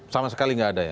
sama sekali nggak ada ya